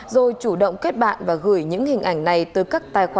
rồi chủ động kết bạn và gửi những hình ảnh này tới các tài khoản